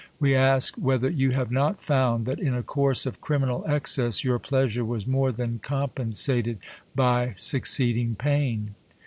We ask, whether you have not found, that in a course of criminal excess, your pleasure was more than compensated by succeed ing pain